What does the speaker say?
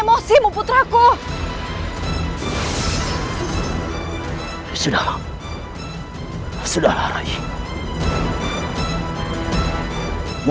hadapi aku cukup